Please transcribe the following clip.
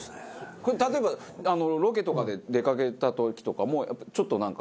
これ例えばロケとかで出かけた時とかもちょっとなんか。